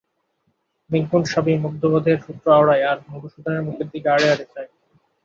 বেঙ্কটস্বামী মুগ্ধবোধের সূত্র আওড়ায় আর মধুসূদনের মুখের দিকে আড়ে আড়ে চায়।